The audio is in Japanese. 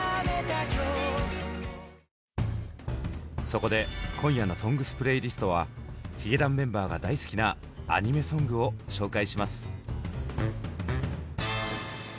そこで今夜の「ＳＯＮＧＳＰＬＡＹＬＩＳＴ」はヒゲダンメンバーが大好きなアニメソングを紹介します。